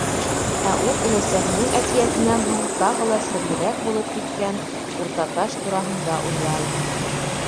Ә ул өләсәһенең әкиәтенән һуң тағы ла серлерәк булып киткән Уртаташ тураһында уйлай.